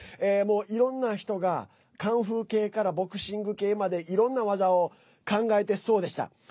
いろんな人がカンフー系からボクシング系までいろんな技を考えてそうでした。